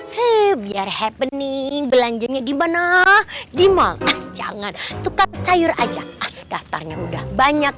kebiar happening belanjanya gimana di malah jangan tukar sayur aja daftarnya udah banyak